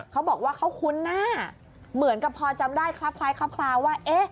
เขาบอกว่าเขาคุ้นหน้าเหมือนกับพอจำได้ครับคล้ายคลับคลาวว่า